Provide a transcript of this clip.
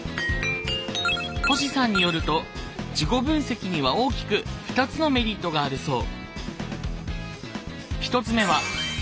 星さんによると自己分析には大きく２つのメリットがあるそう。